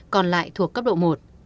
còn lại thuộc cấp độ một